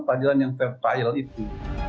peradilan yang fair thaiel itu